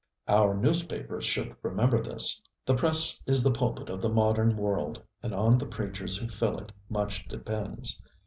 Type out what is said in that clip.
Our newspapers should remember this. The press is the pulpit of the modern world, and on the preachers who fill it much depends.